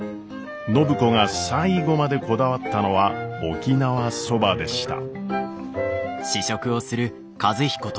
暢子が最後までこだわったのは沖縄そばでした。